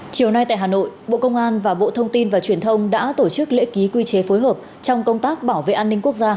chiều nay tại hà nội bộ công an và bộ thông tin và truyền thông đã tổ chức lễ ký quy chế phối hợp trong công tác bảo vệ an ninh quốc gia